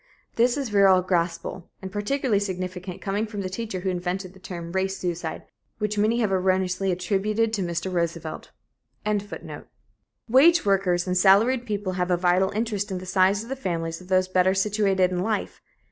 This is virile gospel, and particularly significant coming from the teacher who invented the term 'race suicide,' which many have erroneously attributed to Mr. Roosevelt."] Wage workers and salaried people have a vital interest in the size of the families of those better situated in life.